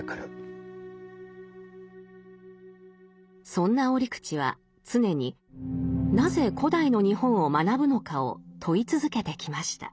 そんな折口は常になぜ古代の日本を学ぶのかを問い続けてきました。